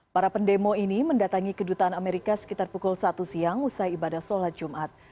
para pendemo ini mendatangi kedutaan amerika sekitar pukul satu siang usai ibadah sholat jumat